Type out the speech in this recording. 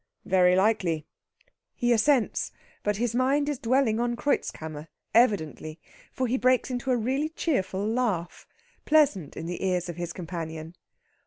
"Very likely." He assents, but his mind is dwelling on Kreutzkammer, evidently. For he breaks into a really cheerful laugh, pleasant in the ears of his companion.